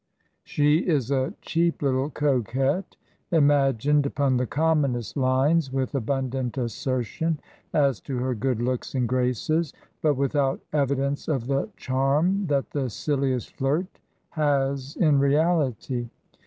She is a cheap little coquette, imagined upon the commonest lines, with abundant assertion as to her good looks and graces, but without evidence of the charm that the silliest flirt has in reality.